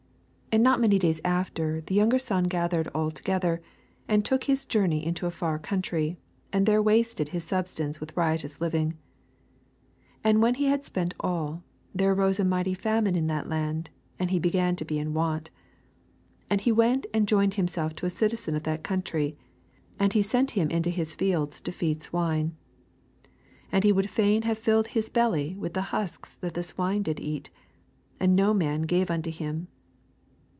13 And not many days after the younger son gathered all together, and took his journey into a far coun try, and there wasted his substance ■^itn riotous living. 14 And when he had spent all, there arose a mighty famine in tliat lai^d ; and he began to be in want. ^5 And he went and joined himself to a citizen of that country ; and he sent him into his fields to feed swine. 16 And he would fain have filled his belly with the husks that the swine did eat : and no man gave unto him.